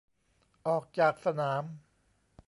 ออกจากสนาม